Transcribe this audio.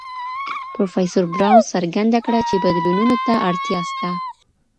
پروفيسر براون څرګنده کړه چی بدلونونو ته اړتيا سته.